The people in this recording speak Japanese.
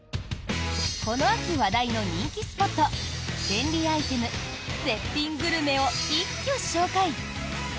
この秋話題の、人気スポット便利アイテム、絶品グルメを一挙紹介。